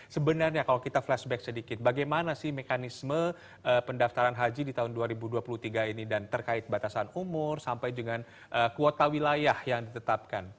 sebenarnya kalau kita flashback sedikit bagaimana sih mekanisme pendaftaran haji di tahun dua ribu dua puluh tiga ini dan terkait batasan umur sampai dengan kuota wilayah yang ditetapkan